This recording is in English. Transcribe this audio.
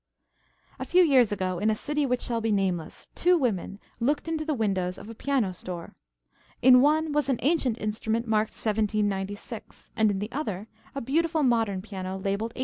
A few years ago in a city which shall be nameless, two women looked into the windows of a piano store. In one, was an ancient instrument marked "1796"; in the other, a beautiful modern piano labeled "1896."